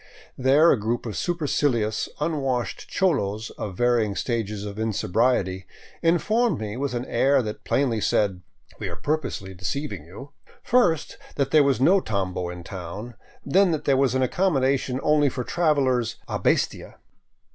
There a group of supercilious, unwashed cholos of varying stages of insobriety informed me, with an air that plainly said " We are pur posely deceiving you," first, that there was no tambo in town, then that there was accommodation only for travelers " a bestia."